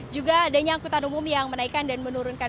juga ada nyangkutan umum yang menaikan dan menurunkan